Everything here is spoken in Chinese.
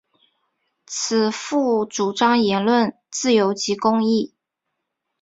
此赋主张言论自由及公义。